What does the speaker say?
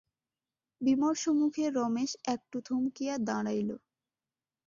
বিমর্ষমুখে রমেশ একটু থমকিয়া দাঁড়াইল।